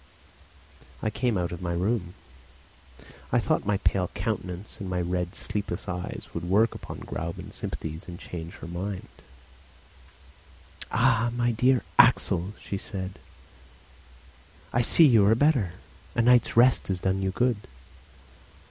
I came out of my room. I thought my pale countenance and my red and sleepless eyes would work upon Gräuben's sympathies and change her mind. "Ah! my dear Axel," she said. "I see you are better. A night's rest has done you good."